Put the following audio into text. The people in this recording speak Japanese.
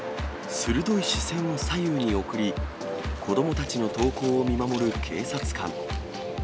鋭い視線を左右に送り、子どもたちの登校を見守る警察官。